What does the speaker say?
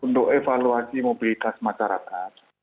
untuk evaluasi mobilitas masyarakat